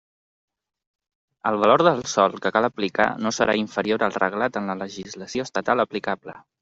El valor del sòl que cal aplicar no serà inferior al reglat en la legislació estatal aplicable.